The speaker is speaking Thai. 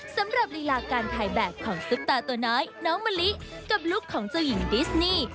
สำหรับลีลาการถ่ายแบบของซุปตาตัวน้อยน้องมะลิกับลุคของเจ้าหญิงดิสนี่